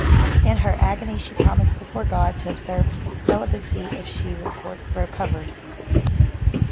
In her agony she promised before God to observe celibacy if she recovered.